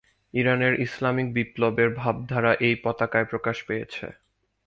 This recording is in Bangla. ইরানের ইসলামিক বিপ্লবের ভাবধারা এই পতাকায় প্রকাশ পেয়েছে।